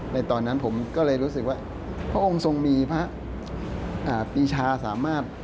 ในตอนนั้นผมก็เลยรู้สึกว่าพระองค์ทรงมีพระปีชาสามารถ